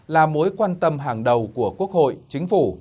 là mối quan tâm hàng đầu của quốc hội chính phủ